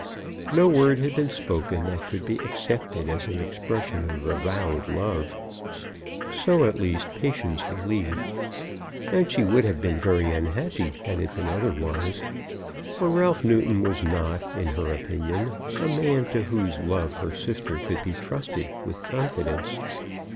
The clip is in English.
No word had been spoken that could be accepted as an expression of avowed love. So at least Patience believed. And she would have been very unhappy had it been otherwise, for Ralph Newton was not, in her opinion, a man to whose love her sister could be trusted with confidence.